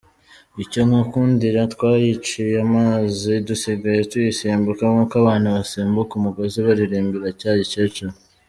Icyo nkukundira twayiciye amazi dusigaye tuyisimbuka nk’uko abana basimbuka umugozi biririmbira cya gikecuru.